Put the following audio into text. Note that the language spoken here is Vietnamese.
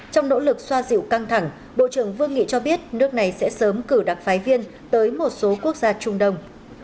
trong nỗ lực xoa dịu căng thẳng bộ trưởng vương nghị cho biết nước này sẽ sớm cử đặc phái viên tới một số quốc gia trung đông